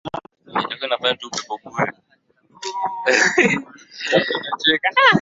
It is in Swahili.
umeleta mugawanyiko ndani ya vyama vya wafanyakazi kwa hivyo katika vyama ambavyo vilivyokutana